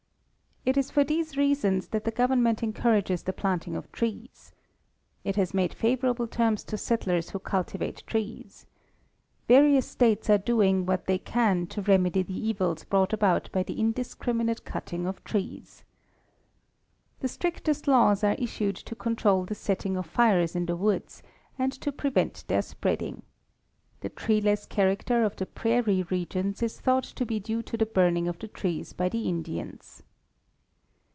It is for these reasons that the government encour ages the planting of trees. It has made favorable terms to settlers who cultivate trees. Various states are doing what they can to remedy the evils brought, about by the indiscriminate cutting of trees. The strictest laws are issued to control the setting of fires in the woods, and to prevent their spreading. The treeless character of the prairie regions is thought to be due to the burning of the trees by the Indians.